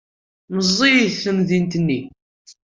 Meẓẓiyet temdint-nni.